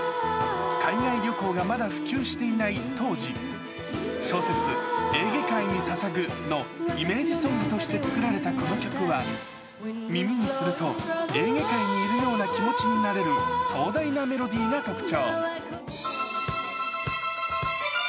海外旅行がまだ普及していない当時、小説、エーゲ海に捧ぐのイメージソングとして作られたこの曲は、耳にすると、エーゲ海にいるような気持ちになれる壮大なメロディーが特徴。